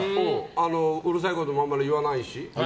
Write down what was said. うるさいこともあんまり言わないし。